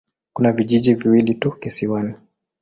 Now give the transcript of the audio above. Kuna vijiji viwili tu kisiwani.